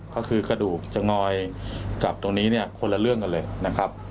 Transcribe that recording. ก็คือกระดูกจะงอยกับตรงนี้คนละเรื่องกันเลย